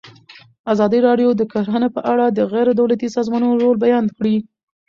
ازادي راډیو د کرهنه په اړه د غیر دولتي سازمانونو رول بیان کړی.